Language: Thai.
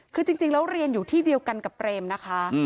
คือจริงแล้วเรียนอยู่ที่เดียวกันกับเปรมนะคะ